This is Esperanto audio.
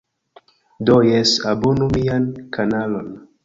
Do, jes, abonu mian kanalon.